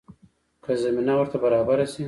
که زمینه ورته برابره شي.